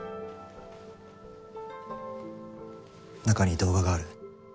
中に動画がある。